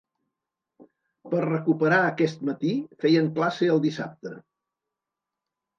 Per recuperar aquest matí, feien classe el dissabte.